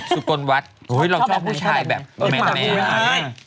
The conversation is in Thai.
สุกลวัดโอ้โหยชอบผู้ชายแบบแมรค